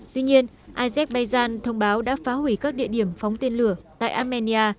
tuy nhiên azerbaijan thông báo đã phá hủy các địa điểm phóng tên lửa tại armenia